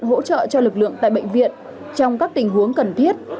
hỗ trợ cho lực lượng tại bệnh viện trong các tình huống cần thiết